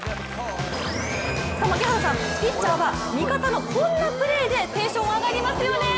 槙原さん、ピッチャーは味方のこんなプレーでテンション上がりますよね。